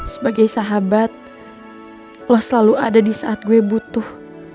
sebagai sahabat lo selalu ada di saat gue butuh